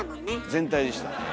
全体でしたね。